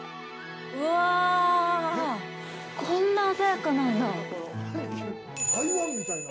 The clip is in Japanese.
うわ、こんな鮮やかなんだ。